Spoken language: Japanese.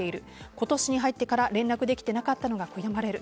今年に入ってから連絡できていなかったのが悔やまれる。